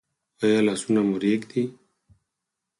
ایا لاسونه مو ریږدي؟